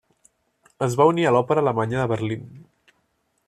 Es va unir a l'Òpera Alemanya de Berlín.